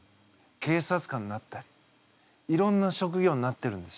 警察官になったりいろんな職業になってるんですよ。